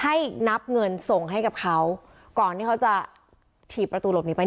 ให้นับเงินส่งให้กับเขาก่อนที่เขาจะถีบประตูหลบหนีไป